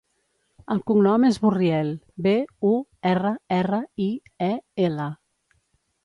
El cognom és Burriel: be, u, erra, erra, i, e, ela.